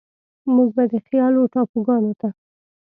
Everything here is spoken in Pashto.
موږ به د خيال و ټاپوګانوته،